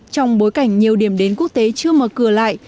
trong bối cảnh nhiều điểm đến quốc tế chưa mở cửa lại